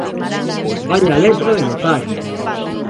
Vaia letra de notario!